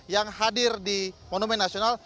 yang hadir di monumen nasional